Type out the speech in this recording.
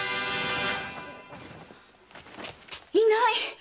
いない！